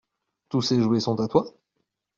Tous ces jouets sont à toi ?